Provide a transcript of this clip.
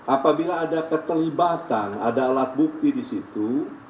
apabila ada keterlibatan ada alat bukti di situ